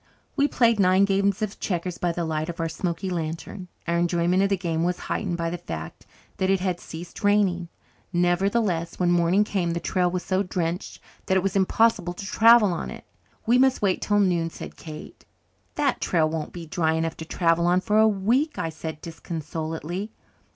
We played nine games of checkers by the light of our smoky lantern. Our enjoyment of the game was heightened by the fact that it had ceased raining. Nevertheless, when morning came the trail was so drenched that it was impossible to travel on it. "We must wait till noon," said Kate. "That trail won't be dry enough to travel on for a week," I said disconsolately.